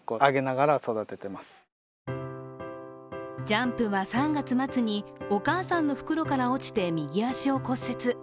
ジャンプは３月末にお母さんの袋から落ちて右足を骨折。